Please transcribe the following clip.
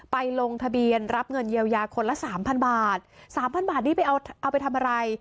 ไปลงทะเบียนรับเงินเยียวยาคนละ๓๐๐๐บาท๓๐๐๐บาทนี่เอาไปทำอะไร